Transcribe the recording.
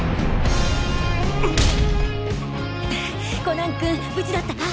コナン君無事だったか！？